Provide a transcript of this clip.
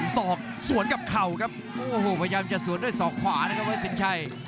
ศอกสวนกับเข่าครับโอ้โหพยายามจะสวนด้วยศอกขวานะครับวัดสินชัย